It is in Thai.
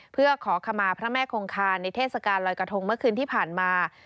เพื่อขอขมาพระแม่คงคาในเทศกาลลอยกระทงเมื่อคืนที่ผ่านมา